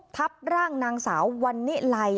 ทับร่างนางสาววันนิไล